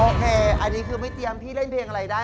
โอเคอันนี้คือไม่เตรียมพี่เล่นเพลงอะไรได้